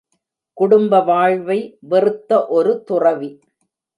குடும்ப வாழ்வை வெறுத்த ஒரு துறவி.